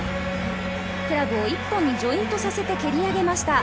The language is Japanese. クラブを１本ジョイントさせて蹴り上げました。